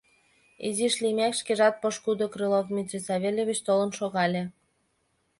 Изиш лиймек, шкежат пошкудо, Крылов Дмитрий Савельевич, толын шогале.